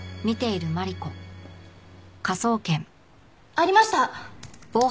ありました！